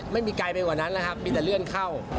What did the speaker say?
ไม่มีไกลไปกว่านั้นนะครับมีแต่เลื่อนเข้า